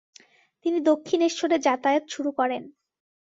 তিনি দক্ষিণেশ্বরে যাতায়াত শুরু করেন।